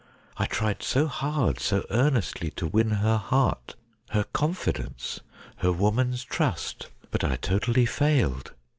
I tried so hard, so earnestly to win her heart, her confi dence, her woman's trust ; but I totally failed.